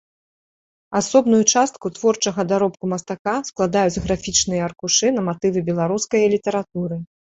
Асобную частку творчага даробку мастака складаюць графічныя аркушы на матывы беларускае літаратуры.